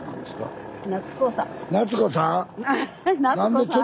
あ夏子さん。